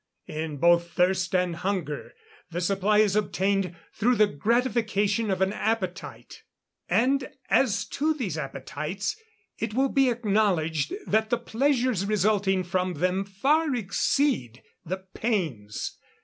In both thirst and hunger, the supply is obtained through the gratification of an appetite; and as to these appetites, it will be acknowledged that the pleasures resulting from them far exceed the pains.